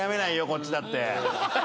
こっちだって。